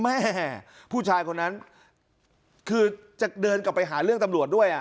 แม่ผู้ชายคนนั้นคือจะเดินกลับไปหาเรื่องตำรวจด้วย